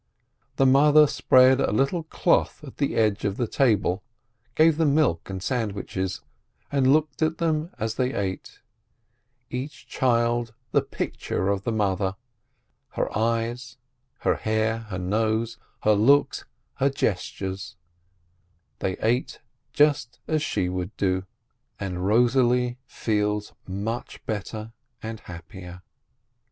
The mother spread a little cloth at the edge of the table, gave them milk and sandwiches, and looked at them as they ate — each child the picture of the mother, her eyes, her hair, her nose, her look, her gestures — they ate just as she would do. And Rosalie feels much better and happier.